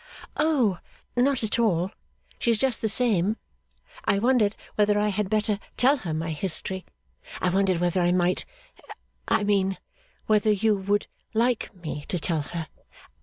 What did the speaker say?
'Oh, not at all. She is just the same. I wondered whether I had better tell her my history. I wondered whether I might I mean, whether you would like me to tell her.